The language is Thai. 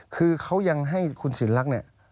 คือเขายังให้คุณสินรักเนี่ย